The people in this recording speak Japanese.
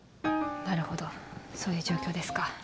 なるほどそういう状況ですか。